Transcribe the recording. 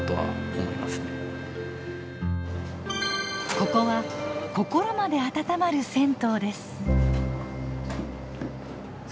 ここは心まであたたまる銭湯です。